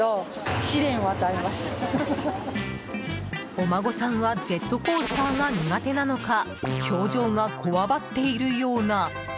お孫さんはジェットコースターが苦手なのか表情がこわばっているような。